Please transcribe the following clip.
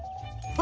あ！